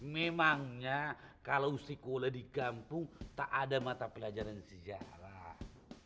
memangnya kalau sekolah di kampung tak ada mata pelajaran sejarah